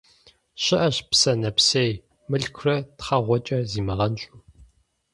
Щыӏэщ псэ нэпсей, мылъкурэ тхъэгъуэкӏэ зимыгъэнщӏу.